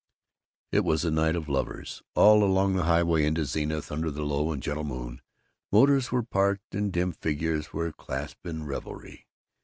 It was a night of lovers. All along the highway into Zenith, under the low and gentle moon, motors were parked and dim figures were clasped in revery.